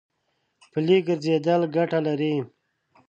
پلي ګرځېدل ګټه لري.